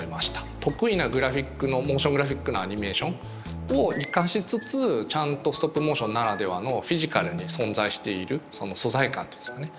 得意なグラフィックのモーショングラフィックのアニメーションを生かしつつちゃんとストップモーションならではのフィジカルに存在しているその素材感っていうんですかね。